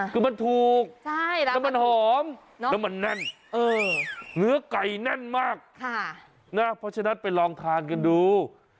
คือมันถูกแล้วมันหอมแล้วมันแน่นเนื้อไก่แน่นมากเพราะฉะนั้นไปลองทานกันดู